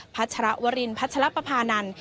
พระชรวรินพัชรปภานันทร์